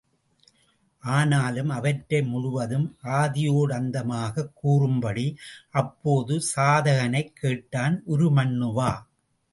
ஆனாலும் அவற்றை முழுவதும் ஆதியோடந்தமாகக் கூறும்படி அப்போது சாதகனைக் கேட்டான் உருமண்ணுவா.